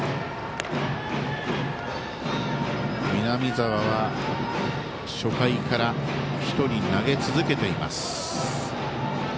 南澤は初回から１人投げ続けています。